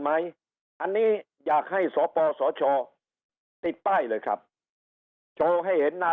ไหมอันนี้อยากให้สปสชติดป้ายเลยครับโชว์ให้เห็นหน้า